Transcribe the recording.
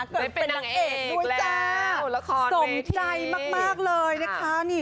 เกิดเป็นนางเอกด้วยจ้าสมใจมากเลยนะคะราคอนเวที